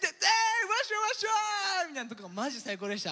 ワッショイワッショーイ！みたいなとこがマジ最高でした。